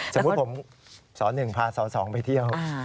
สมมุติผมสหนึ่งพาสสองไปเที่ยว